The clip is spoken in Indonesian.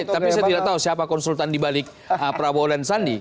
tapi saya tidak tahu siapa konsultan dibalik prabowo dan sandi